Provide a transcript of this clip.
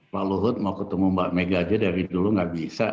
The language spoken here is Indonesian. pak luhut mau ketemu mbak mega aja dari dulu nggak bisa